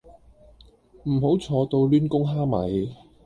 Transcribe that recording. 唔好坐到攣弓蝦米